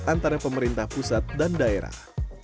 antara pemerintah pusat dan daerah